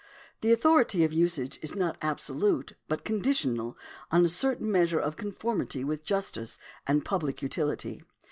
The authority of usage is not absolute, but conditional on a certain measure of conformity with justice and public utility.